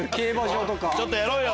ちょっとやろうよ！